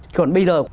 còn bây giờ